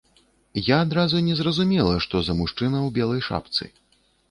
Я адразу не зразумела, што за мужчына ў белай шапцы.